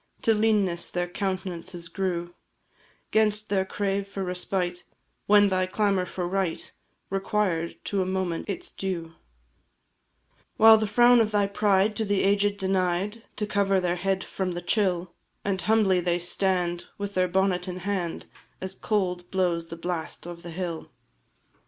To leanness their countenances grew 'Gainst their crave for respite, when thy clamour for right Required, to a moment, its due; While the frown of thy pride to the aged denied To cover their head from the chill, And humbly they stand, with their bonnet in hand, As cold blows the blast of the hill.